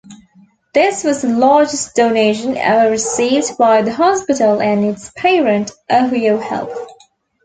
This was the largest donation ever received by the hospital and its parent OhioHealth.